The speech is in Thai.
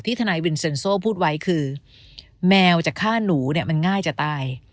ที่ทนายวินเซนโซพูดไว้คือแมวจะฆ่าหนูมันง่ายจะตาย